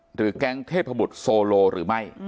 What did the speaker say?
แก๊งเทพบุตรโซโลหรือไม่